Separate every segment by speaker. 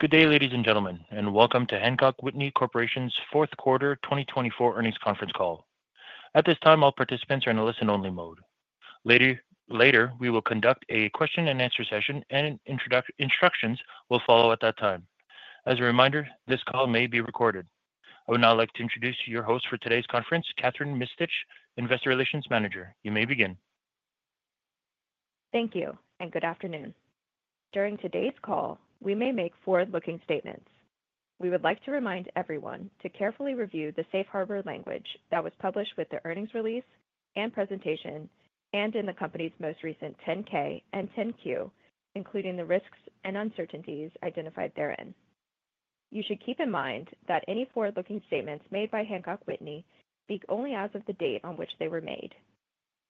Speaker 1: Good day, ladies and gentlemen, and welcome to Hancock Whitney Corporation's Fourth Quarter 2024 Earnings Conference Call. At this time, all participants are in a listen-only mode. Later, we will conduct a question-and-answer session, and instructions will follow at that time. As a reminder, this call may be recorded. I would now like to introduce your host for today's conference, Kathryn Mistich, Investor Relations Manager. You may begin.
Speaker 2: Thank you, and good afternoon. During today's call, we may make forward-looking statements. We would like to remind everyone to carefully review the safe harbor language that was published with the earnings release and presentation, and in the company's most recent Form 10-K and Form 10-Q, including the risks and uncertainties identified therein. You should keep in mind that any forward-looking statements made by Hancock Whitney speak only as of the date on which they were made.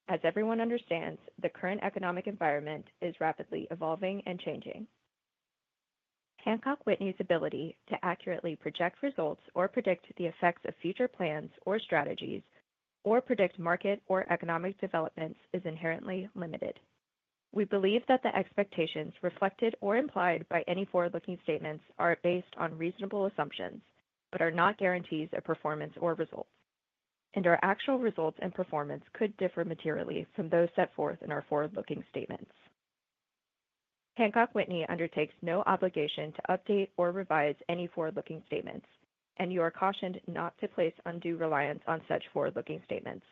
Speaker 2: As everyone understands, the current economic environment is rapidly evolving and changing. Hancock Whitney's ability to accurately project results or predict the effects of future plans or strategies, or predict market or economic developments, is inherently limited. We believe that the expectations reflected or implied by any forward-looking statements are based on reasonable assumptions but are not guarantees of performance or results, and our actual results and performance could differ materially from those set forth in our forward-looking statements. Hancock Whitney undertakes no obligation to update or revise any forward-looking statements, and you are cautioned not to place undue reliance on such forward-looking statements.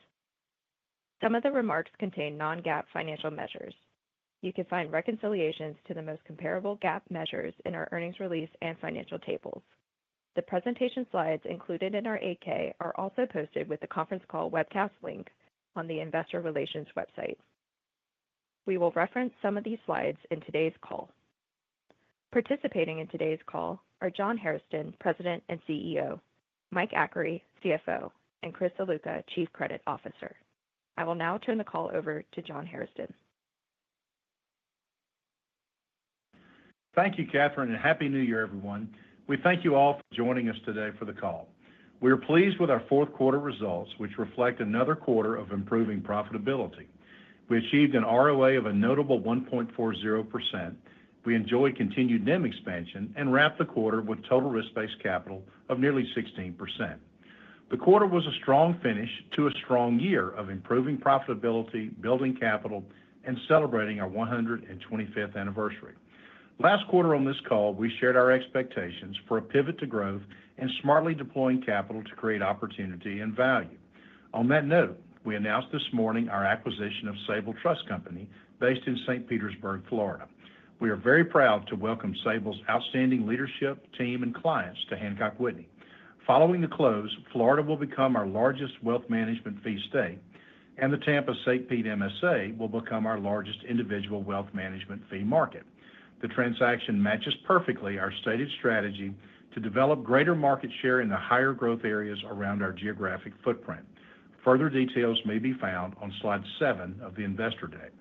Speaker 2: Some of the remarks contain non-GAAP financial measures. You can find reconciliations to the most comparable GAAP measures in our earnings release and financial tables. The presentation slides included in our Form 8-K are also posted with the conference call webcast link on the Investor Relations website. We will reference some of these slides in today's call. Participating in today's call are John Hairston, President and CEO, Mike Achary, CFO, and Chris Ziluca, Chief Credit Officer. I will now turn the call over to John Hairston.
Speaker 3: Thank you, Kathryn, and happy New Year, everyone. We thank you all for joining us today for the call. We are pleased with our fourth quarter results, which reflect another quarter of improving profitability. We achieved an ROA of a notable 1.40%. We enjoy continued NIM expansion and wrapped the quarter with total risk-based capital of nearly 16%. The quarter was a strong finish to a strong year of improving profitability, building capital, and celebrating our 125th anniversary. Last quarter on this call, we shared our expectations for a pivot to growth and smartly deploying capital to create opportunity and value. On that note, we announced this morning our acquisition of Sabal Trust Company based in St. Petersburg, Florida. We are very proud to welcome Sabal's outstanding leadership, team, and clients to Hancock Whitney. Following the close, Florida will become our largest wealth management fee state, and the Tampa-St. Pete MSA. Pete MSA will become our largest individual wealth management fee market. The transaction matches perfectly our stated strategy to develop greater market share in the higher growth areas around our geographic footprint. Further details may be found on slide seven of the investor deck.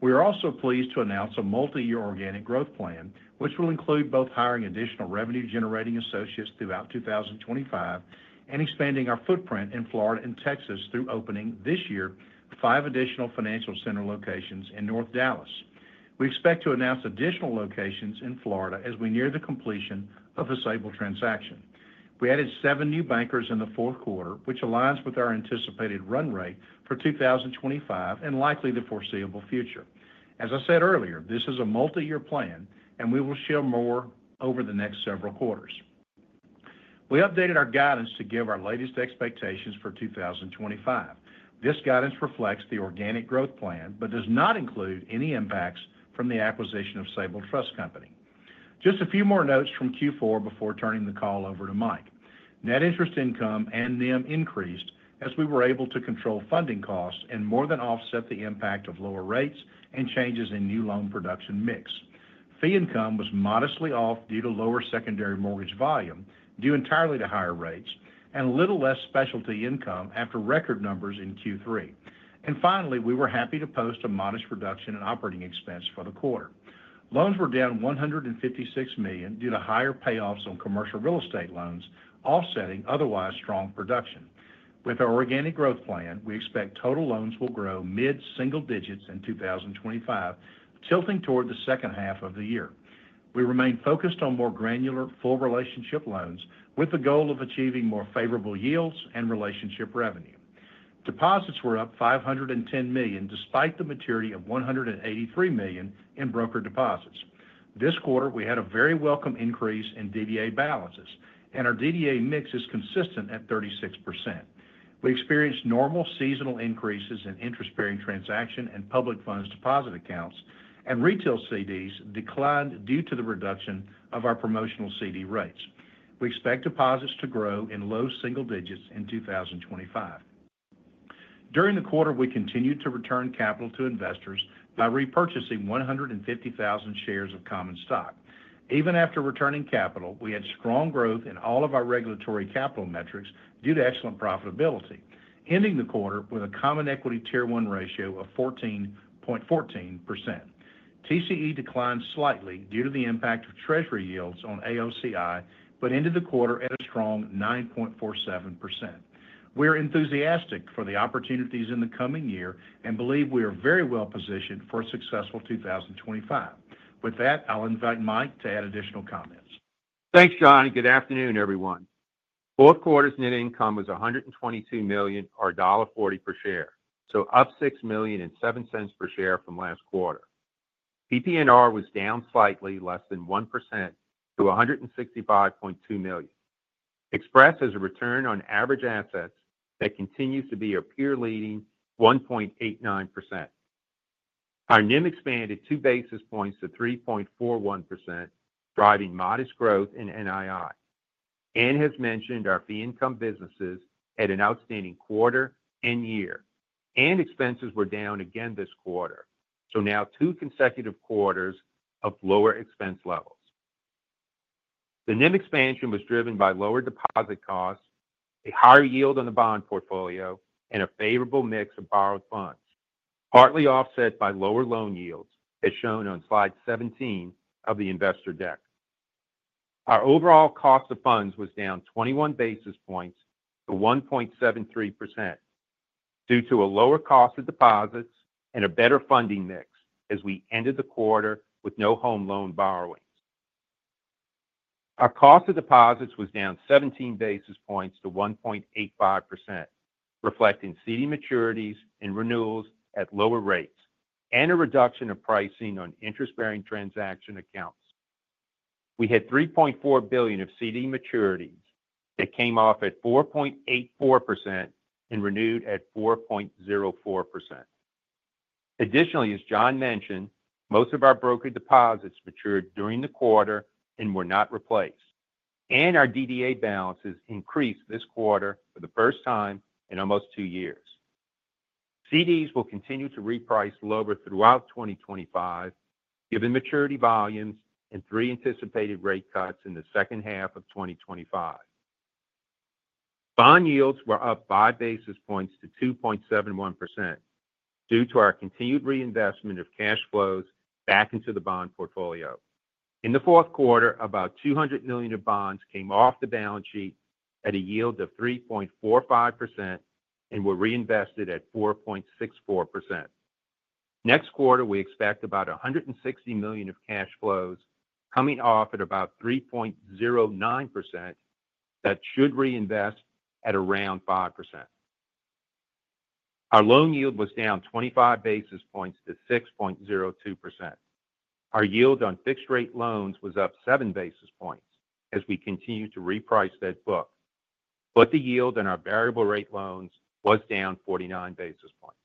Speaker 3: We are also pleased to announce a multi-year organic growth plan, which will include both hiring additional revenue-generating associates throughout 2025 and expanding our footprint in Florida and Texas through opening this year five additional financial center locations in North Dallas. We expect to announce additional locations in Florida as we near the completion of the Sabal transaction. We added seven new bankers in the fourth quarter, which aligns with our anticipated run rate for 2025 and likely the foreseeable future. As I said earlier, this is a multi-year plan, and we will share more over the next several quarters. We updated our guidance to give our latest expectations for 2025. This guidance reflects the organic growth plan but does not include any impacts from the acquisition of Sabal Trust Company. Just a few more notes from Q4 before turning the call over to Mike. Net interest income and NIM increased as we were able to control funding costs and more than offset the impact of lower rates and changes in new loan production mix. Fee income was modestly off due to lower secondary mortgage volume due entirely to higher rates and a little less specialty income after record numbers in Q3. And finally, we were happy to post a modest reduction in operating expense for the quarter. Loans were down $156 million due to higher payoffs on commercial real estate loans, offsetting otherwise strong production. With our organic growth plan, we expect total loans will grow mid-single digits in 2025, tilting toward the second half of the year. We remain focused on more granular full relationship loans with the goal of achieving more favorable yields and relationship revenue. Deposits were up $510 million despite the maturity of $183 million in broker deposits. This quarter, we had a very welcome increase in DDA balances, and our DDA mix is consistent at 36%. We experienced normal seasonal increases in interest-bearing transaction and public funds deposit accounts, and retail CDs declined due to the reduction of our promotional CD rates. We expect deposits to grow in low single digits in 2025. During the quarter, we continued to return capital to investors by repurchasing 150,000 shares of common stock. Even after returning capital, we had strong growth in all of our regulatory capital metrics due to excellent profitability, ending the quarter with a Common Equity Tier 1 ratio of 14.14%. TCE declined slightly due to the impact of Treasury yields on AOCI, but ended the quarter at a strong 9.47%. We are enthusiastic for the opportunities in the coming year and believe we are very well positioned for a successful 2025. With that, I'll invite Mike to add additional comments.
Speaker 4: Thanks, John, and good afternoon, everyone. Fourth quarter's net income was $122 million or $1.40 per share, so up $6 million and $0.07 per share from last quarter. PPNR was down slightly, less than 1%, to $165.2 million. Hancock has a return on average assets that continues to be a peer-leading 1.89%. Our NIM expanded two basis points to 3.41%, driving modest growth in NII. And as mentioned our fee-income businesses had an outstanding quarter and year, and expenses were down again this quarter, so now two consecutive quarters of lower expense levels. The NIM expansion was driven by lower deposit costs, a higher yield on the bond portfolio, and a favorable mix of borrowed funds, partly offset by lower loan yields, as shown on slide 17 of the investor deck. Our overall cost of funds was down 21 basis points to 1.73% due to a lower cost of deposits and a better funding mix as we ended the quarter with no home loan borrowings. Our cost of deposits was down 17 basis points to 1.85%, reflecting CD maturities and renewals at lower rates and a reduction in pricing on interest-bearing transaction accounts. We had $3.4 billion of CD maturities that came off at 4.84% and renewed at 4.04%. Additionally, as John mentioned, most of our broker deposits matured during the quarter and were not replaced, and our DDA balances increased this quarter for the first time in almost two years. CDs will continue to reprice lower throughout 2025, given maturity volumes and three anticipated rate cuts in the second half of 2025. Bond yields were up five basis points to 2.71% due to our continued reinvestment of cash flows back into the bond portfolio. In the fourth quarter, about $200 million of bonds came off the balance sheet at a yield of 3.45% and were reinvested at 4.64%. Next quarter, we expect about $160 million of cash flows coming off at about 3.09% that should reinvest at around 5%. Our loan yield was down 25 basis points to 6.02%. Our yield on fixed-rate loans was up 7 basis points as we continue to reprice that book, but the yield on our variable-rate loans was down 49 basis points.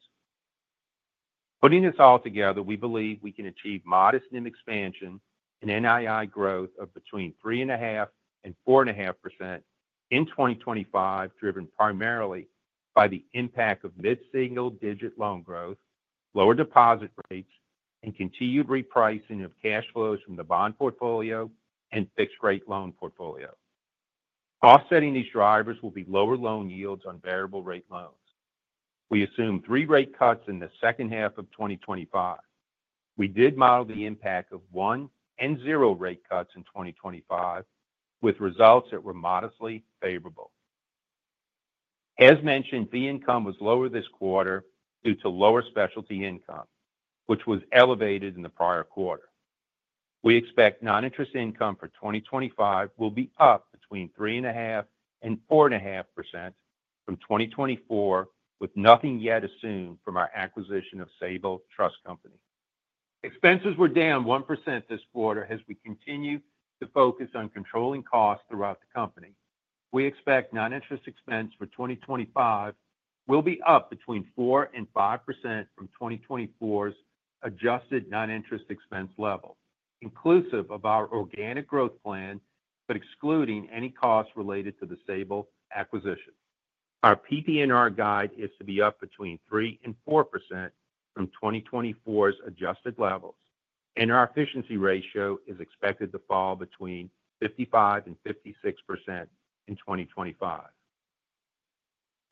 Speaker 4: Putting this all together, we believe we can achieve modest NIM expansion and NII growth of between 3.5% and 4.5% in 2025, driven primarily by the impact of mid-single digit loan growth, lower deposit rates, and continued repricing of cash flows from the bond portfolio and fixed-rate loan portfolio. Offsetting these drivers will be lower loan yields on variable-rate loans. We assume three rate cuts in the second half of 2025. We did model the impact of one and zero rate cuts in 2025, with results that were modestly favorable. As mentioned, fee income was lower this quarter due to lower specialty income, which was elevated in the prior quarter. We expect non-interest income for 2025 will be up between 3.5% and 4.5% from 2024, with nothing yet assumed from our acquisition of Sabal Trust Company. Expenses were down 1% this quarter as we continue to focus on controlling costs throughout the company. We expect non-interest expense for 2025 will be up between 4% and 5% from 2024's adjusted non-interest expense level, inclusive of our organic growth plan but excluding any costs related to the Sabal acquisition. Our PPNR guide is to be up between 3% and 4% from 2024's adjusted levels, and our efficiency ratio is expected to fall between 55% and 56% in 2025.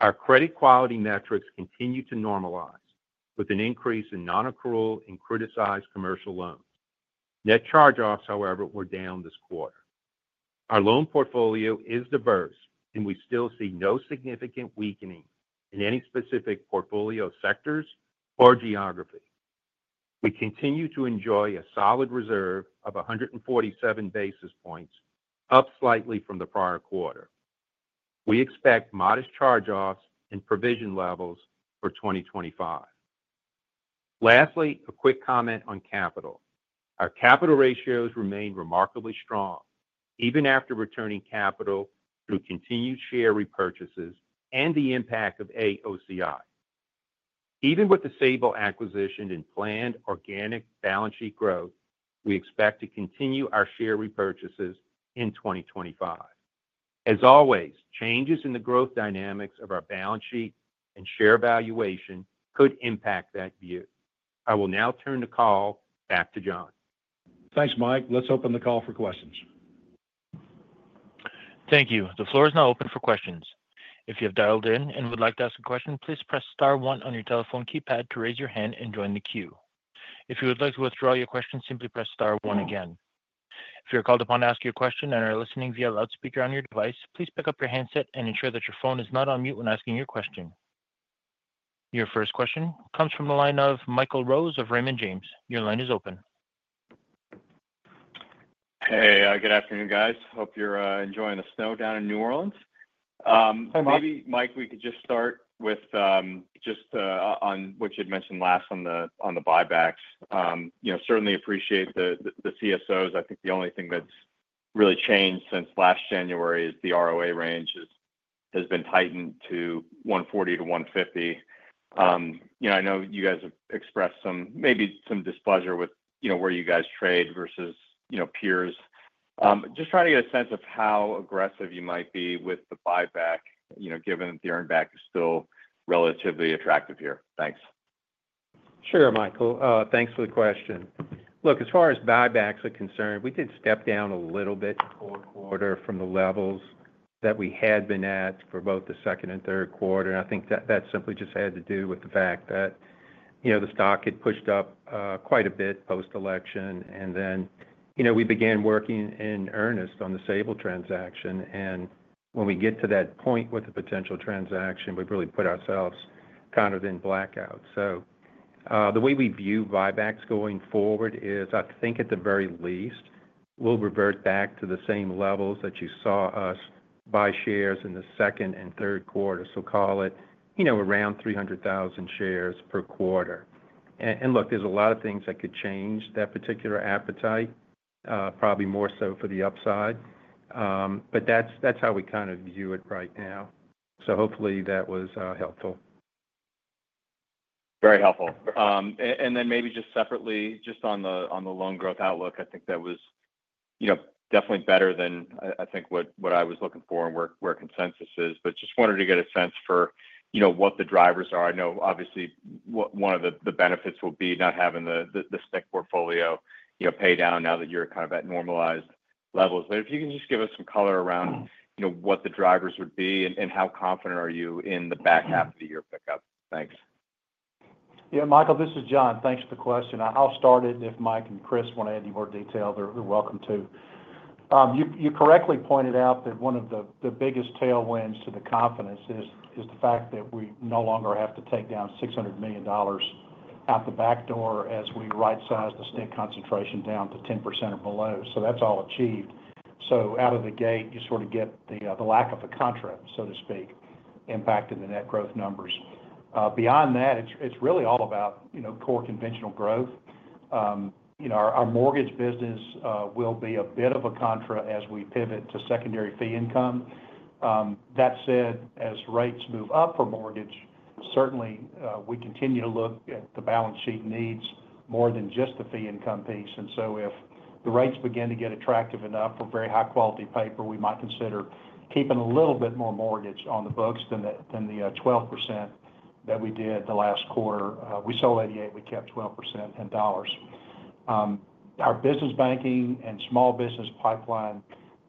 Speaker 4: Our credit quality metrics continue to normalize, with an increase in non-accrual and criticized commercial loans. Net charge-offs, however, were down this quarter. Our loan portfolio is diverse, and we still see no significant weakening in any specific portfolio sectors or geography. We continue to enjoy a solid reserve of 147 basis points, up slightly from the prior quarter. We expect modest charge-offs and provision levels for 2025. Lastly, a quick comment on capital. Our capital ratios remain remarkably strong, even after returning capital through continued share repurchases and the impact of AOCI. Even with the Sabal acquisition and planned organic balance sheet growth, we expect to continue our share repurchases in 2025. As always, changes in the growth dynamics of our balance sheet and share valuation could impact that view. I will now turn the call back to John.
Speaker 3: Thanks, Mike. Let's open the call for questions.
Speaker 1: Thank you. The floor is now open for questions. If you have dialed in and would like to ask a question, please press star one on your telephone keypad to raise your hand and join the queue. If you would like to withdraw your question, simply press star one again. If you're called upon to ask your question and are listening via loudspeaker on your device, please pick up your handset and ensure that your phone is not on mute when asking your question. Your first question comes from the line of Michael Rose of Raymond James. Your line is open.
Speaker 5: Hey, good afternoon, guys. Hope you're enjoying the snow down in New Orleans. Maybe, Mike, we could just start with just on what you had mentioned last on the buybacks. Certainly appreciate the CSOs. I think the only thing that's really changed since last January is the ROA range has been tightened to 140-150. I know you guys have expressed maybe some displeasure with where you guys trade versus peers. Just trying to get a sense of how aggressive you might be with the buyback, given that the earnback is still relatively attractive here. Thanks.
Speaker 4: Sure, Michael. Thanks for the question. Look, as far as buybacks are concerned, we did step down a little bit in the fourth quarter from the levels that we had been at for both the second and third quarter, and I think that that simply just had to do with the fact that the stock had pushed up quite a bit post-election, and then we began working in earnest on the Sabal transaction. And when we get to that point with the potential transaction, we've really put ourselves kind of in blackout. So the way we view buybacks going forward is, I think at the very least, we'll revert back to the same levels that you saw us buy shares in the second and third quarter, so call it around 300,000 shares per quarter. And look, there's a lot of things that could change that particular appetite, probably more so for the upside. But that's how we kind of view it right now. So hopefully that was helpful.
Speaker 5: Very helpful. And then maybe just separately, just on the loan growth outlook, I think that was definitely better than I think what I was looking for and where consensus is. But just wanted to get a sense for what the drivers are. I know, obviously, one of the benefits will be not having the SNC portfolio pay down now that you're kind of at normalized levels. But if you can just give us some color around what the drivers would be and how confident are you in the back half of the year pickup? Thanks.
Speaker 3: Yeah, Michael, this is John. Thanks for the question. I'll start it. If Mike and Chris want to add any more detail, they're welcome to. You correctly pointed out that one of the biggest tailwinds to the confidence is the fact that we no longer have to take down $600 million out the back door as we right-size the Shared National Credits concentration down to 10% or below. So that's all achieved. So out of the gate, you sort of get the lack of a contract, so to speak, impacting the net growth numbers. Beyond that, it's really all about core conventional growth. Our mortgage business will be a bit of a contra as we pivot to secondary fee income. That said, as rates move up for mortgage, certainly we continue to look at the balance sheet needs more than just the fee income piece. And so if the rates begin to get attractive enough for very high-quality paper, we might consider keeping a little bit more mortgage on the books than the 12% that we did the last quarter. We sold 88%; we kept 12% in dollars. Our business banking and small business pipeline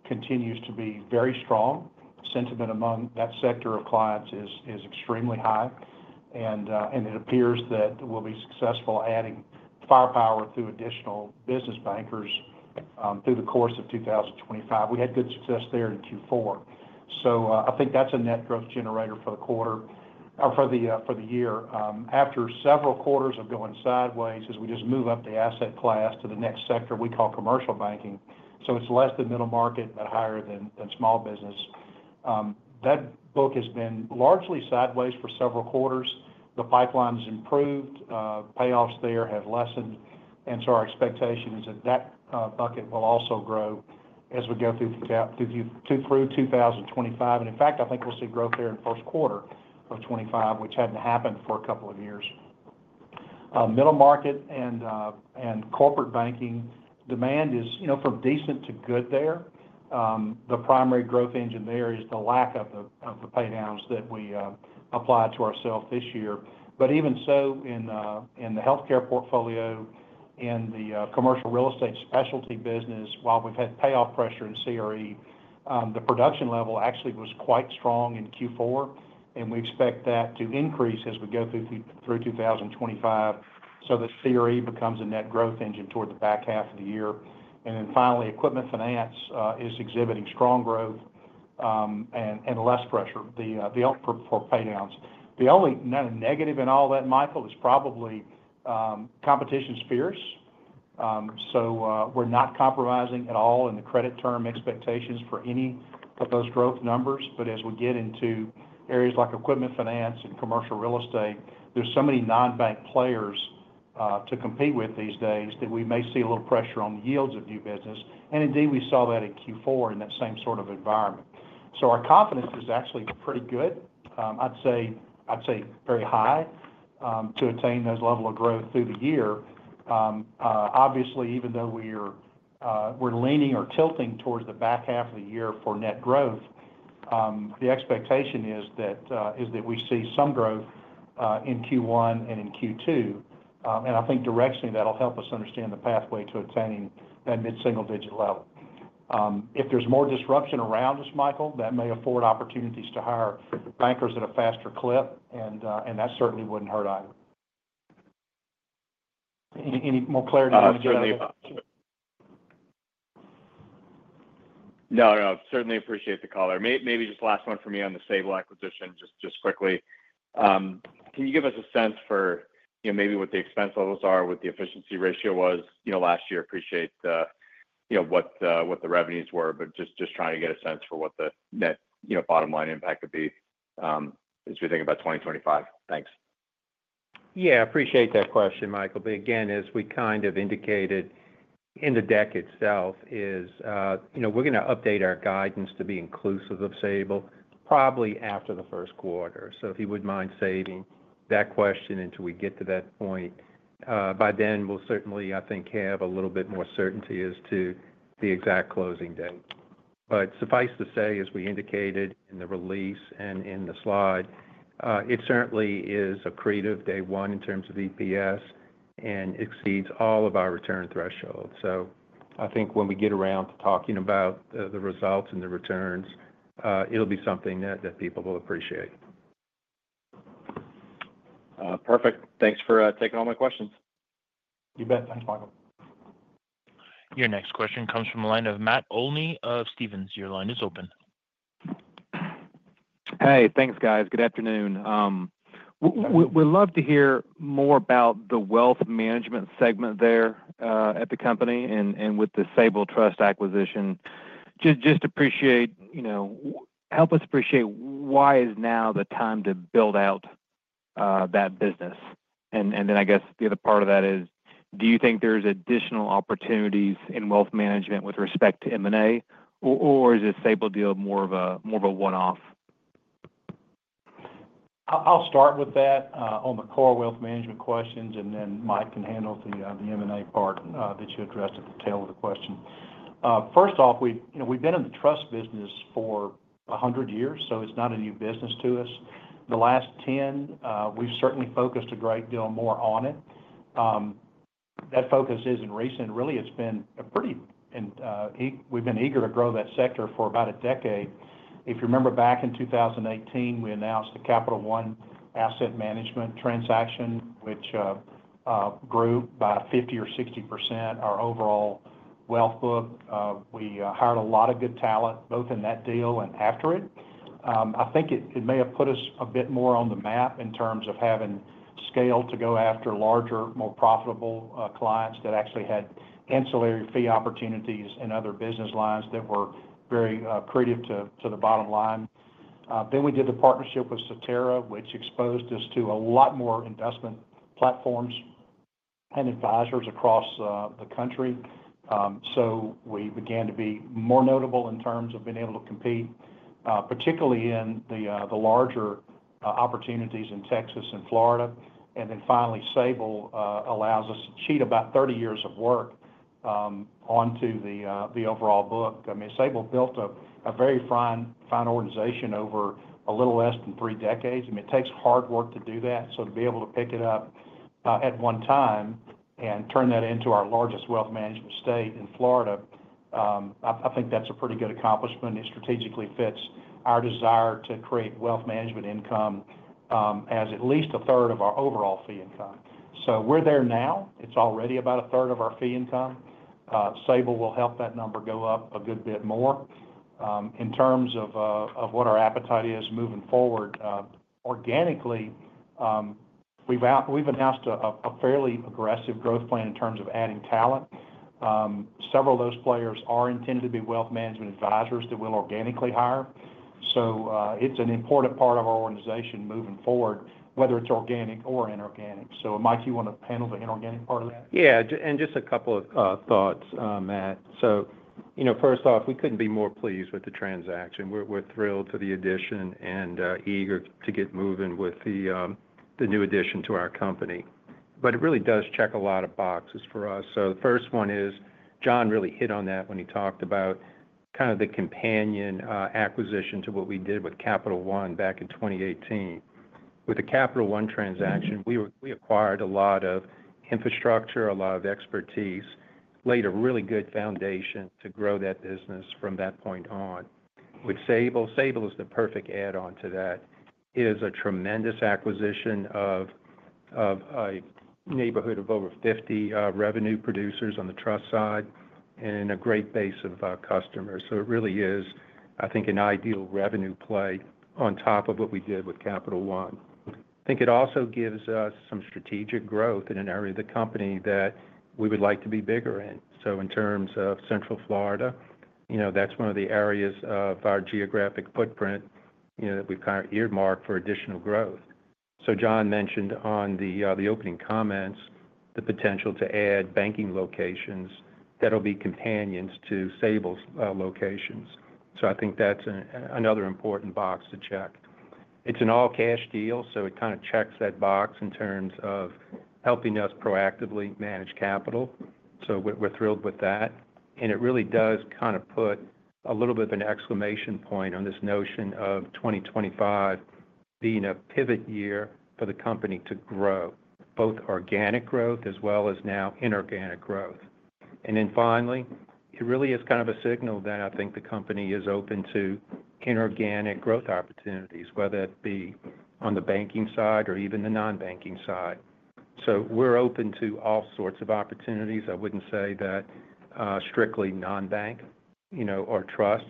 Speaker 3: continues to be very strong. Sentiment among that sector of clients is extremely high, and it appears that we'll be successful adding firepower through additional business bankers through the course of 2025. We had good success there in Q4, so I think that's a net growth generator for the quarter or for the year. After several quarters of going sideways, as we just move up the asset class to the next sector we call commercial banking, so it's less than middle market but higher than small business. That book has been largely sideways for several quarters. The pipeline has improved. Payoffs there have lessened. And so our expectation is that that bucket will also grow as we go through 2025. And in fact, I think we'll see growth there in the first quarter of 2025, which hadn't happened for a couple of years. Middle market and corporate banking demand is from decent to good there. The primary growth engine there is the lack of the paydowns that we applied to ourself this year. But even so, in the healthcare portfolio, in the commercial real estate specialty business, while we've had payoff pressure in CRE, the production level actually was quite strong in Q4, and we expect that to increase as we go through 2025 so that CRE becomes a net growth engine toward the back half of the year. And then finally, equipment finance is exhibiting strong growth and less pressure for paydowns. The only negative in all that, Michael, is probably competition is fierce. So we're not compromising at all in the credit term expectations for any of those growth numbers. But as we get into areas like equipment finance and commercial real estate, there's so many non-bank players to compete with these days that we may see a little pressure on the yields of new business. And indeed, we saw that in Q4 in that same sort of environment. So our confidence is actually pretty good. I'd say very high to attain those levels of growth through the year. Obviously, even though we're leaning or tilting towards the back half of the year for net growth, the expectation is that we see some growth in Q1 and in Q2. And I think directing that will help us understand the pathway to attaining that mid-single digit level. If there's more disruption around us, Michael, that may afford opportunities to hire bankers at a faster clip, and that certainly wouldn't hurt either. Any more clarity on the agenda?
Speaker 5: I certainly appreciate the call. Maybe just last one for me on the Sabal acquisition, just quickly. Can you give us a sense for maybe what the expense levels are with the efficiency ratio was last year? Appreciate what the revenues were, but just trying to get a sense for what the net bottom line impact would be as we think about 2025. Thanks.
Speaker 4: Yeah, I appreciate that question, Michael. But again, as we kind of indicated in the deck itself, we're going to update our guidance to be inclusive of Sabal probably after the first quarter. So if you wouldn't mind saving that question until we get to that point, by then we'll certainly, I think, have a little bit more certainty as to the exact closing date. But suffice to say, as we indicated in the release and in the slide, it certainly is accretive day one in terms of EPS and exceeds all of our return thresholds. So I think when we get around to talking about the results and the returns, it'll be something that people will appreciate.
Speaker 5: Perfect. Thanks for taking all my questions.
Speaker 3: You bet. Thanks, Michael.
Speaker 1: Your next question comes from the line of Matt Olney of Stephens. Your line is open.
Speaker 6: Hey, thanks, guys. Good afternoon. We'd love to hear more about the wealth management segment there at the company and with the Sabal Trust acquisition. Just help us appreciate why is now the time to build out that business, and then I guess the other part of that is, do you think there's additional opportunities in wealth management with respect to M&A, or is the Sabal deal more of a one-off?
Speaker 3: I'll start with that on the core wealth management questions, and then Mike can handle the M&A part that you addressed at the tail of the question. First off, we've been in the trust business for 100 years, so it's not a new business to us. The last 10, we've certainly focused a great deal more on it. That focus isn't recent. Really, it's been a pretty, we've been eager to grow that sector for about a decade. If you remember back in 2018, we announced the Capital One Asset Management transaction, which grew by 50% or 60% our overall wealth book. We hired a lot of good talent both in that deal and after it. I think it may have put us a bit more on the map in terms of having scale to go after larger, more profitable clients that actually had ancillary fee opportunities and other business lines that were very accretive to the bottom line. Then we did the partnership with Cetera, which exposed us to a lot more investment platforms and advisors across the country. So we began to be more notable in terms of being able to compete, particularly in the larger opportunities in Texas and Florida. And then finally, Sabal allows us to cheat about 30 years of work onto the overall book. I mean, Sabal built a very fine organization over a little less than three decades. I mean, it takes hard work to do that. So to be able to pick it up at one time and turn that into our largest wealth management state in Florida, I think that's a pretty good accomplishment. It strategically fits our desire to create wealth management income as at least a third of our overall fee income. So we're there now. It's already about a third of our fee income. Sabal will help that number go up a good bit more. In terms of what our appetite is moving forward, organically, we've announced a fairly aggressive growth plan in terms of adding talent. Several of those players are intended to be wealth management advisors that we'll organically hire. So it's an important part of our organization moving forward, whether it's organic or inorganic. So Mike, you want to handle the inorganic part of that?
Speaker 4: Yeah, and just a couple of thoughts, Matt. So first off, we couldn't be more pleased with the transaction. We're thrilled for the addition and eager to get moving with the new addition to our company, but it really does check a lot of boxes for us, so the first one is John really hit on that when he talked about kind of the companion acquisition to what we did with Capital One back in 2018. With the Capital One transaction, we acquired a lot of infrastructure, a lot of expertise, laid a really good foundation to grow that business from that point on. With Sabal, Sabal is the perfect add-on to that. It is a tremendous acquisition of a network of over 50 revenue producers on the trust side and a great base of customers. So it really is, I think, an ideal revenue play on top of what we did with Capital One. I think it also gives us some strategic growth in an area of the company that we would like to be bigger in. So in terms of Central Florida, that's one of the areas of our geographic footprint that we've kind of earmarked for additional growth. So John mentioned on the opening comments the potential to add banking locations that will be companions to Sabal's locations. So I think that's another important box to check. It's an all-cash deal, so it kind of checks that box in terms of helping us proactively manage capital. So we're thrilled with that. And it really does kind of put a little bit of an exclamation point on this notion of 2025 being a pivot year for the company to grow, both organic growth as well as now inorganic growth. And then finally, it really is kind of a signal that I think the company is open to inorganic growth opportunities, whether it be on the banking side or even the non-banking side. So we're open to all sorts of opportunities. I wouldn't say that strictly non-bank or trust.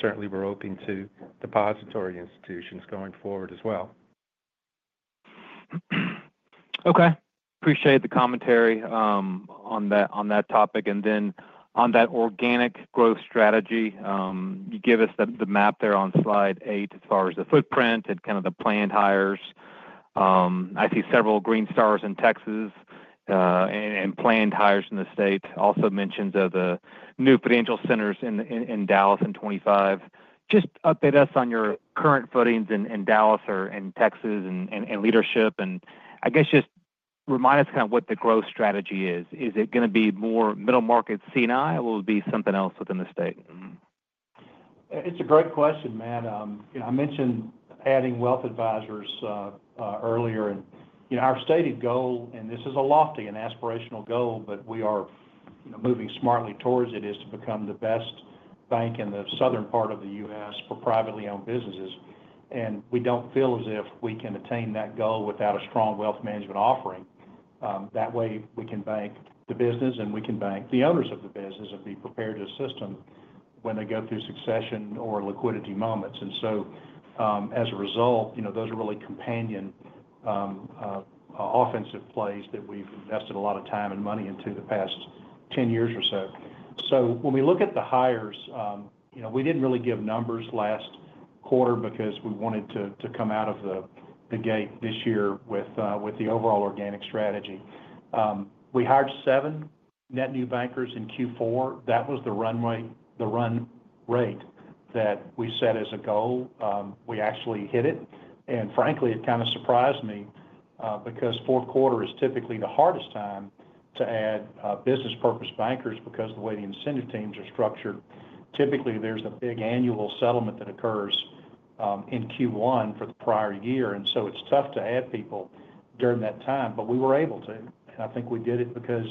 Speaker 4: Certainly, we're open to depository institutions going forward as well.
Speaker 6: Okay. Appreciate the commentary on that topic, and then on that organic growth strategy, you give us the map there on slide eight as far as the footprint and kind of the planned hires. I see several green stars in Texas and planned hires in the state. Also mentions of the new financial centers in Dallas in 2025. Just update us on your current footprint in Dallas and Texas and leadership, and I guess just remind us kind of what the growth strategy is. Is it going to be more middle market C&I, or will it be something else within the state?
Speaker 3: It's a great question, Matt. I mentioned adding wealth advisors earlier. And our stated goal, and this is a lofty and aspirational goal, but we are moving smartly towards it, is to become the best bank in the southern part of the U.S. for privately owned businesses. And we don't feel as if we can attain that goal without a strong wealth management offering. That way, we can bank the business, and we can bank the owners of the business and be prepared to assist them when they go through succession or liquidity moments. And so as a result, those are really companion offensive plays that we've invested a lot of time and money into the past 10 years or so. So when we look at the hires, we didn't really give numbers last quarter because we wanted to come out of the gate this year with the overall organic strategy. We hired seven net new bankers in Q4. That was the run rate that we set as a goal. We actually hit it. And frankly, it kind of surprised me because fourth quarter is typically the hardest time to add business purpose bankers because of the way the incentive teams are structured. Typically, there's a big annual settlement that occurs in Q1 for the prior year. And so it's tough to add people during that time. But we were able to. And I think we did it because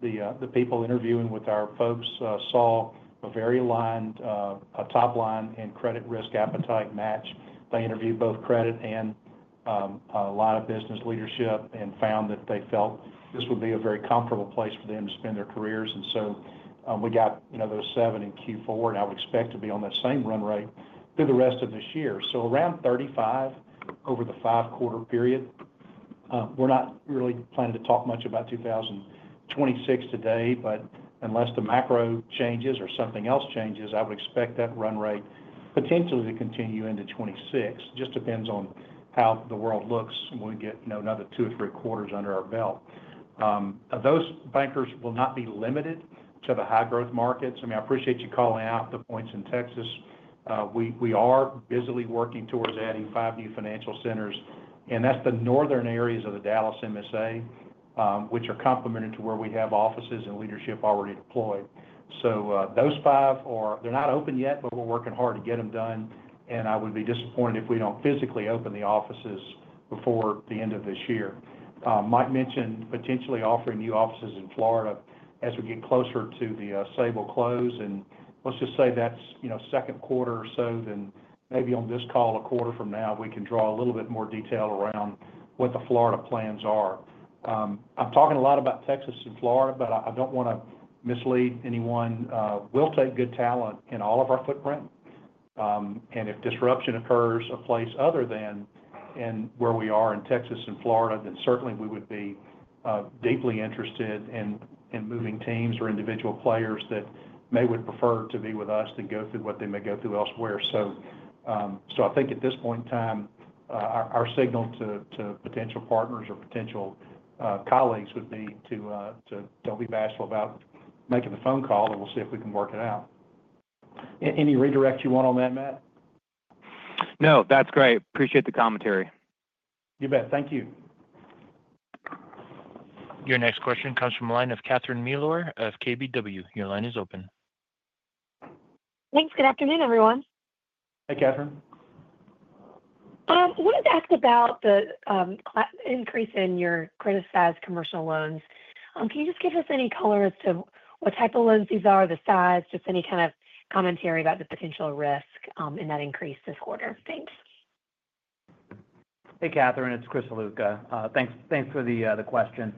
Speaker 3: the people interviewing with our folks saw a very aligned top line and credit risk appetite match. They interviewed both credit and a lot of business leadership and found that they felt this would be a very comfortable place for them to spend their careers. And so we got those seven in Q4, and I would expect to be on that same run rate through the rest of this year. So around 35 over the five-quarter period. We're not really planning to talk much about 2026 today, but unless the macro changes or something else changes, I would expect that run rate potentially to continue into 2026. It just depends on how the world looks when we get another two or three quarters under our belt. Those bankers will not be limited to the high-growth markets. I mean, I appreciate you calling out the points in Texas. We are busily working towards adding five new financial centers. And that's the northern areas of the Dallas MSA, which are complementary to where we have offices and leadership already deployed. So those five, they're not open yet, but we're working hard to get them done. And I would be disappointed if we don't physically open the offices before the end of this year. Mike mentioned potentially offering new offices in Florida as we get closer to the Sabal close. And let's just say that's second quarter or so, then maybe on this call, a quarter from now, we can draw a little bit more detail around what the Florida plans are. I'm talking a lot about Texas and Florida, but I don't want to mislead anyone. We'll take good talent in all of our footprint. If disruption occurs in a place other than where we are in Texas and Florida, then certainly we would be deeply interested in moving teams or individual players that may prefer to be with us than go through what they may go through elsewhere. I think at this point in time, our signal to potential partners or potential colleagues would be to don't be bashful about making the phone call, and we'll see if we can work it out. Any redirect you want on that, Matt?
Speaker 6: No, that's great. Appreciate the commentary.
Speaker 3: You bet. Thank you.
Speaker 1: Your next question comes from the line of Catherine Mealor of KBW. Your line is open.
Speaker 7: Thanks. Good afternoon, everyone.
Speaker 3: Hey, Kathryn.
Speaker 7: We've asked about the increase in your criticized commercial loans. Can you just give us any color as to what type of loans these are, the size, just any kind of commentary about the potential risk in that increase this quarter? Thanks.
Speaker 8: Hey, Kathryn. It's Chris Ziluca. Thanks for the question.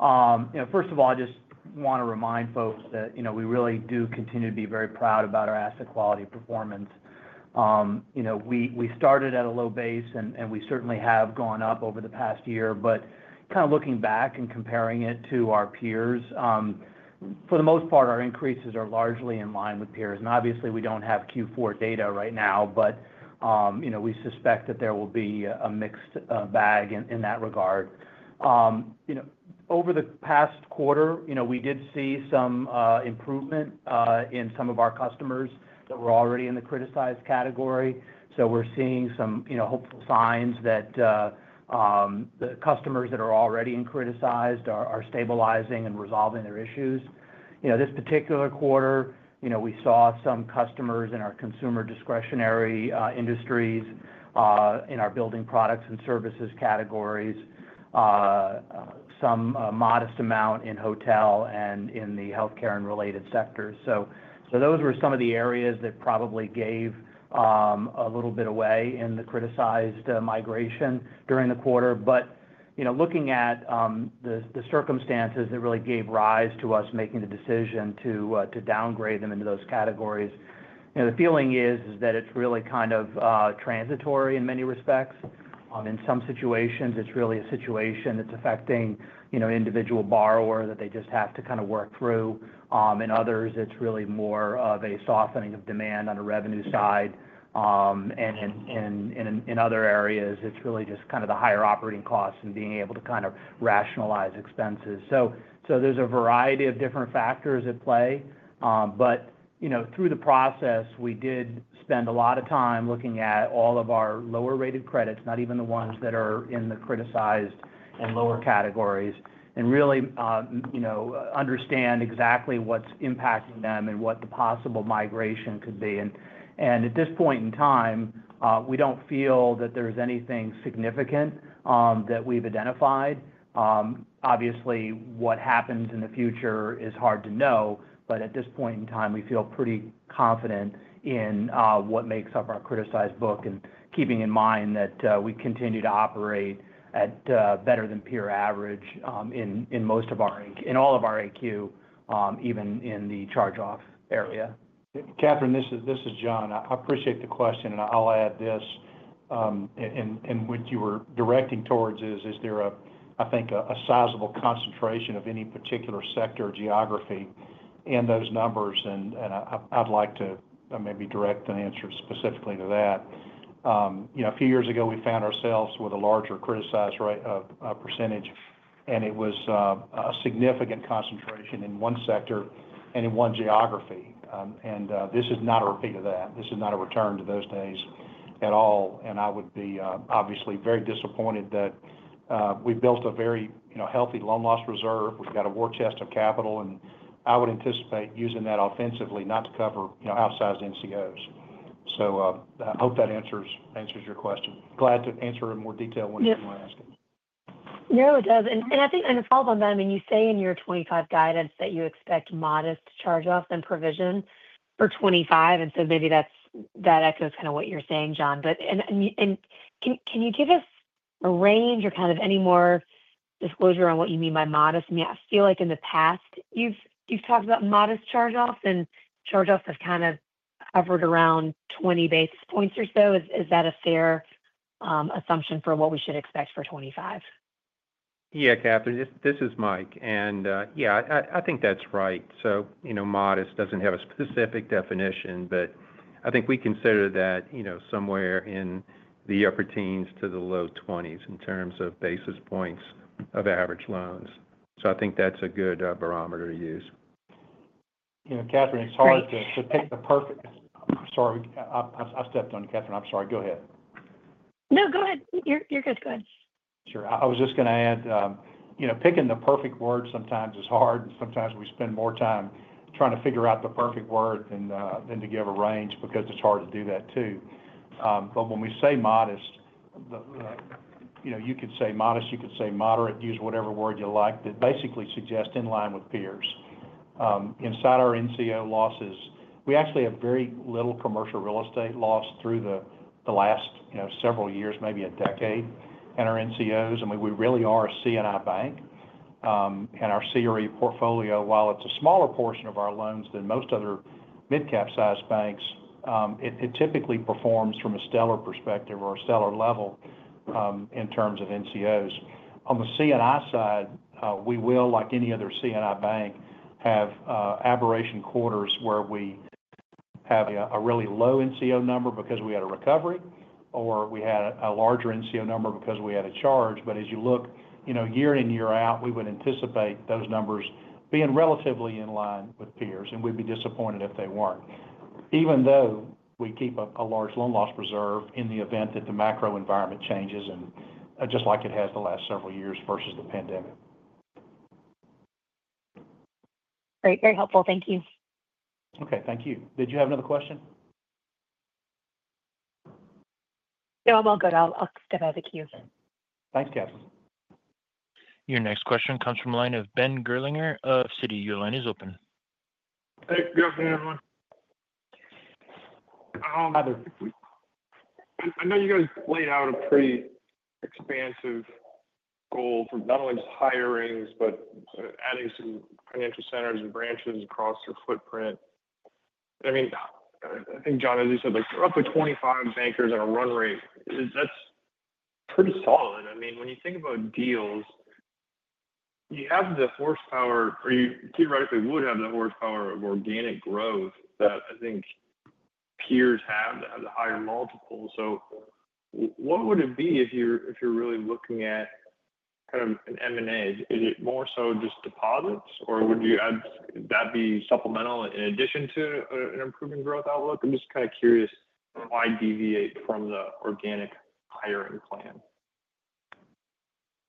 Speaker 8: First of all, I just want to remind folks that we really do continue to be very proud about our asset quality performance. We started at a low base, and we certainly have gone up over the past year. But kind of looking back and comparing it to our peers, for the most part, our increases are largely in line with peers. And obviously, we don't have Q4 data right now, but we suspect that there will be a mixed bag in that regard. Over the past quarter, we did see some improvement in some of our customers that were already in the criticized category. So we're seeing some hopeful signs that the customers that are already in criticized are stabilizing and resolving their issues. This particular quarter, we saw some customers in our consumer discretionary industries in our building products and services categories, some modest amount in hotel and in the healthcare and related sectors. So those were some of the areas that probably gave a little bit away in the criticized migration during the quarter. But looking at the circumstances that really gave rise to us making the decision to downgrade them into those categories, the feeling is that it's really kind of transitory in many respects. In some situations, it's really a situation that's affecting individual borrowers that they just have to kind of work through. In others, it's really more of a softening of demand on a revenue side. And in other areas, it's really just kind of the higher operating costs and being able to kind of rationalize expenses. So there's a variety of different factors at play. But through the process, we did spend a lot of time looking at all of our lower-rated credits, not even the ones that are in the criticized and lower categories, and really understand exactly what's impacting them and what the possible migration could be. And at this point in time, we don't feel that there's anything significant that we've identified. Obviously, what happens in the future is hard to know. But at this point in time, we feel pretty confident in what makes up our criticized book and keeping in mind that we continue to operate at better than peer average in most of our in all of our AQ, even in the charge-off area.
Speaker 3: Kathryn, this is John. I appreciate the question. And what you were directing towards is, is there, I think, a sizable concentration of any particular sector or geography in those numbers? I'd like to maybe direct the answer specifically to that. A few years ago, we found ourselves with a larger criticized rate of percentage, and it was a significant concentration in one sector and in one geography. This is not a repeat of that. This is not a return to those days at all. I would be obviously very disappointed that we built a very healthy loan loss reserve. We've got a war chest of capital. I would anticipate using that offensively not to cover outsized NCOs. I hope that answers your question. Glad to answer in more detail when you ask it.
Speaker 7: No, it does. And I think, and to follow up on that, I mean, you say in your 2025 guidance that you expect modest charge-offs and provision for 2025. And so maybe that echoes kind of what you're saying, John. But can you give us a range or kind of any more disclosure on what you mean by modest? I mean, I feel like in the past, you've talked about modest charge-offs, and charge-offs have kind of hovered around 20 basis points or so. Is that a fair assumption for what we should expect for 2025?
Speaker 4: Yeah, Kathryn, this is Mike. And yeah, I think that's right. So modest doesn't have a specific definition, but I think we consider that somewhere in the upper teens to the low 20s in terms of basis points of average loans. So I think that's a good barometer to use.
Speaker 3: Kathryn, it's hard to pick the perfect, sorry, I stepped on you, Kathryn. I'm sorry. Go ahead.
Speaker 7: No, go ahead. You're good. Go ahead.
Speaker 3: Sure. I was just going to add, picking the perfect word sometimes is hard. And sometimes we spend more time trying to figure out the perfect word than to give a range because it's hard to do that too. But when we say modest, you could say modest, you could say moderate, use whatever word you like, that basically suggests in line with peers. Inside our NCO losses, we actually have very little commercial real estate loss through the last several years, maybe a decade. And our NCOs, I mean, we really are a C&I bank. And our CRE portfolio, while it's a smaller portion of our loans than most other mid-cap-sized banks, it typically performs from a stellar perspective or a stellar level in terms of NCOs. On the C&I side, we will, like any other C&I bank, have aberration quarters where we have a really low NCO number because we had a recovery or we had a larger NCO number because we had a charge. But as you look year in and year out, we would anticipate those numbers being relatively in line with peers, and we'd be disappointed if they weren't, even though we keep a large loan loss reserve in the event that the macro environment changes, just like it has the last several years versus the pandemic.
Speaker 7: Great. Very helpful. Thank you.
Speaker 3: Okay. Thank you. Did you have another question?
Speaker 7: No, I'm all good. I'll step out of the queue.
Speaker 3: Thanks, Kathryn.
Speaker 1: Your next question comes from the line of Ben Gerlinger of Citi. Your line is open.
Speaker 9: Hey, good afternoon, everyone. I know you guys laid out a pretty expansive goal for not only just hiring but adding some financial centers and branches across your footprint. I mean, I think, John, as you said, roughly 25 bankers on a run rate. That's pretty solid. I mean, when you think about deals, you have the horsepower, or you theoretically would have the horsepower of organic growth that I think peers have that have the higher multiple. So what would it be if you're really looking at kind of an M&A? Is it more so just deposits, or would that be supplemental in addition to an improving growth outlook? I'm just kind of curious why deviate from the organic hiring plan.